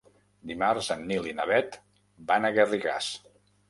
Dimarts en Nil i na Bet van a Garrigàs.